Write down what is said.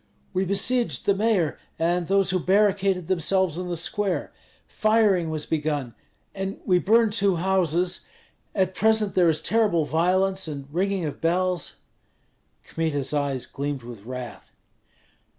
We besieged the mayor and those who barricaded themselves in the square. Firing was begun, and we burned two houses; at present there is terrible violence, and ringing of bells " Kmita's eyes gleamed with wrath.